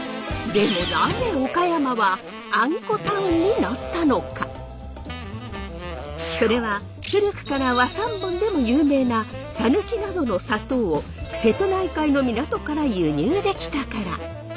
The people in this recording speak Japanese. でもそれは古くから和三盆でも有名な讃岐などの砂糖を瀬戸内海の港から輸入できたから。